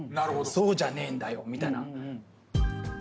そうじゃねえんだよみたいな。